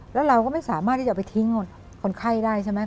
แล้วเราก็ไม่สามารถที่จะไปทิ้งคนไข้ได้ใช่ไหม